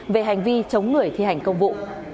về hành vi chống người thi hành công vụ